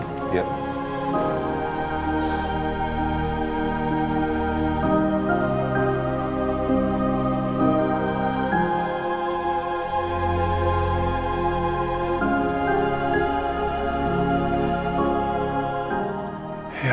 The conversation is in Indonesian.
terima kasih banyak